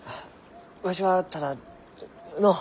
わしはただのう。